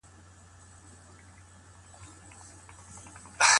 د کورنۍ او ملګرو ملاتړ مهم دی.